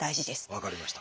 分かりました。